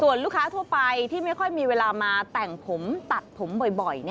ส่วนลูกค้าทั่วไปที่ไม่ค่อยมีเวลามาแต่งผมตัดผมบ่อย